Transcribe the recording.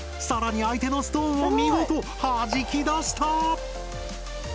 更に相手のストーンを見事はじき出した！